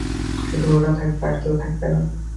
শুধু ওরা থাকবে, আর কেউ থাকবে না।